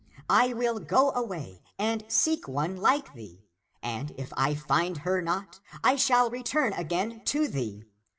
I will go away, and seek one like thee; and if I find her not, I shall re turn again to thee.